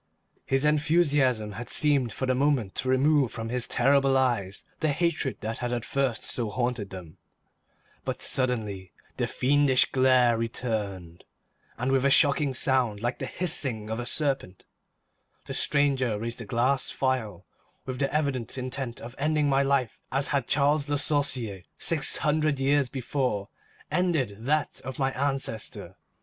His enthusiasm had seemed for the moment to remove from his terrible eyes the hatred that had at first so haunted them, but suddenly the fiendish glare returned, and with a shocking sound like the hissing of a serpent, the stranger raised a glass phial with the evident intent of ending my life as had Charles Le Sorcier, six hundred years before, ended that of my ancestor.